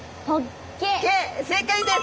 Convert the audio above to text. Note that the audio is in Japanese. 正解です。